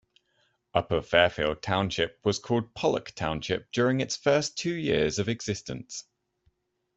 Upper Fairfield Township was called Pollock Township during its first two years of existence.